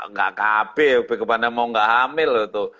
nggak kb kebetulan mau nggak hamil itu